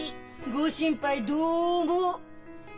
ご心配どうも！